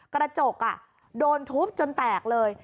กระจกโดนทุบจนแตกเลย